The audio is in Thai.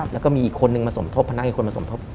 แล้วก็มีอีกคนนึงมาสมทบพนักงานอีกคนมาสมทบ